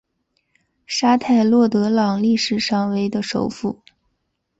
沙泰洛德朗历史上为的首府。